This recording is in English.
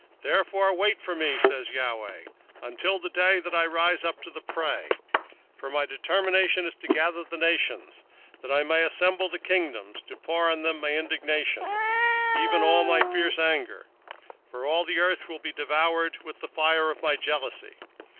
3:8 Therefore wait ye upon me, saith the LORD, until the day that I rise up to the prey: for my determination is to gather the nations, that I may assemble the kingdoms, to pour upon them mine indignation, even all my fierce anger: for all the earth shall be devoured with the fire of my jealousy.